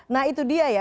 nah itu dia ya